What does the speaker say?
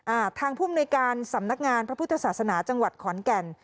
ทางภูมิในการสำนักงานพระพุทธศาสนาจังหวัดขอนแก่น